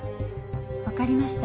わかりました。